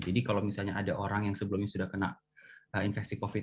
jadi kalau misalnya ada orang yang sebelumnya sudah kena infeksi covid sembilan belas